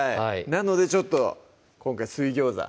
なのでちょっと今回「水餃子」